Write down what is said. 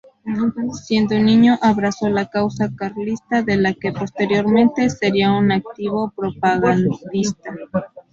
Siendo niño abrazó la causa carlista, de la que posteriormente sería un activo propagandista.